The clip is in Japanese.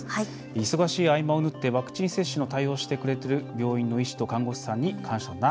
「忙しい合間を縫ってワクチン接種の対応してくれてる病院の医師と看護師さんに感謝だな。